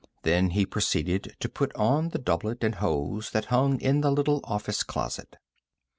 Then he proceeded to put on the doublet and hose that hung in the little office closet.